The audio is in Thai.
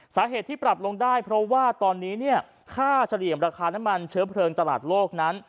สาเหตุที่ปรับลงได้เพราะว่าตอนนี้เนี่ยค่าเฉลี่ยมราคาน้ำมันเชื้อเพลิงตลาดโลกนั้น